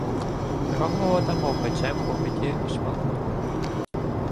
Рогволода мов бичем по виді шмагонули.